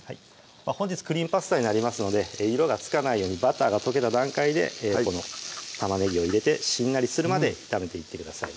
本日「クリームパスタ」になりますので色がつかないようにバターが溶けた段階でこの玉ねぎを入れてしんなりするまで炒めていってください